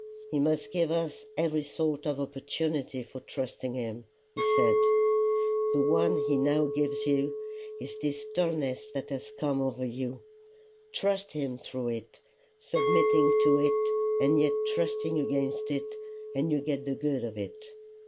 "He must give us every sort of opportunity for trusting him," he said. "The one he now gives you, is this dulness that has come over you. Trust him through it, submitting to it and yet trusting against it, and you get the good of it.